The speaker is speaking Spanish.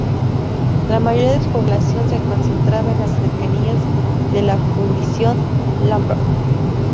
La mayoría de su población se concentraba en las cercanías de la Fundición Lambert.